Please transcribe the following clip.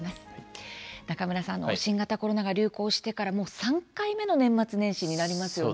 中村さん新型コロナが流行してからもう３回目の年末年始になりますよね。